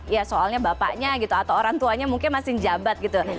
ya soalnya bapaknya gitu atau orang tuanya mungkin masih jabat gitu